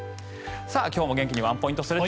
今日も元気にワンポイントストレッチ